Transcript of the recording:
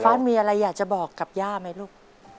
มีอะไรอยากจะบอกกับย่าไหมลูก